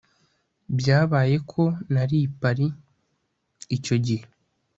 Byabaye ko nari i Paris icyo gihe